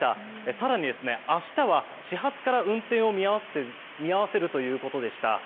更に、明日は始発から運転を見合わせるということでした。